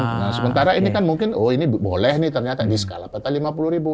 nah sementara ini kan mungkin oh ini boleh nih ternyata di skala peta lima puluh ribu